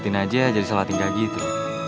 diadain aja jadi salah tingkah gitu